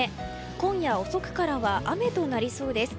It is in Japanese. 今夜遅くからは雨となりそうです。